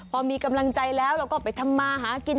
พอมีกำลังใจแล้วเราก็ไปทำมาหากิน